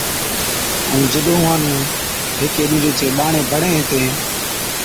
ائُون جِڏَ اُونھان نُون ھيڪي ڏُوجي چين ٻاڙي بَڻين ھِتين